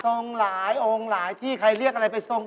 หลายองค์หลายที่ใครเรียกอะไรไปทรง